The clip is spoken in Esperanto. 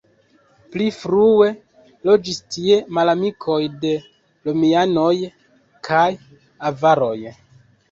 Pli frue loĝis tie malamikoj de romianoj kaj avaroj.